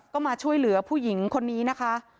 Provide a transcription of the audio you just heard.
ก็มาช่วยเหลือผู้หญิงคนนี้นะคะ